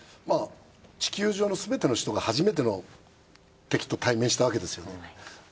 地球上のすべての人が初めての敵と対面したわけですよね。